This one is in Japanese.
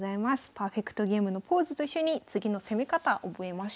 パーフェクトゲームのポーズと一緒に次の攻め方覚えましょう。